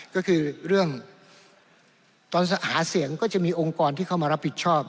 ก็คือเรื่องตอนหาเสียงก็จะมีองค์กรที่เข้ามารับผิดชอบ